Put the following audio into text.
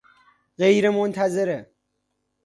غیر منتظره